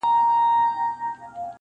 په لېمو دي پوهومه-